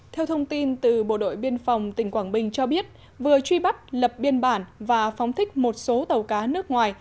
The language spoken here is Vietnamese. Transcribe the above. theo thông tin từ bộ đội biên phòng tỉnh quảng bình cho biết vừa truy bắt lập biên bản và phóng thích một số tàu cá nước ngoài